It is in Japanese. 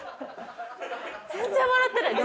全然笑ってない